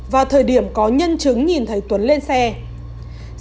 và thời điểm có nhân chứng nhìn thấy tuấn lên xe khách